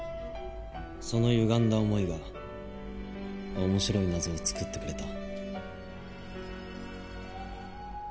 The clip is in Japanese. その歪んだ思いが面白い謎を作ってくれた。